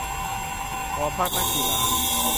หอพักนักกีฬา ?